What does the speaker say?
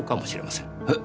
えっ！？